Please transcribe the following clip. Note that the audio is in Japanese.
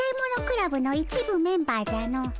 クラブの一部メンバーじゃの。